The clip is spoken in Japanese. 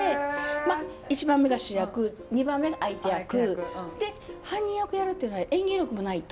まあ１番目が主役２番目が相手役で犯人役やるっていうのは演技力もないと。